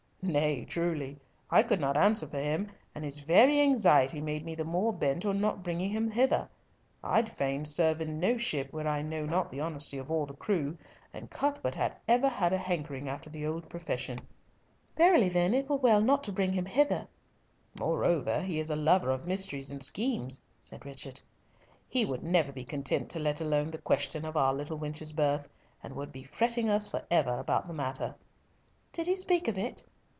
"Nay, truly. I could not answer for him, and his very anxiety made me the more bent on not bringing him hither. I'd fain serve in no ship where I know not the honesty of all the crew, and Cuthbert hath ever had a hankering after the old profession." "Verily then it were not well to bring him hither." "Moreover, he is a lover of mysteries and schemes," said Richard. "He would never be content to let alone the question of our little wench's birth, and would be fretting us for ever about the matter." "Did he speak of it?"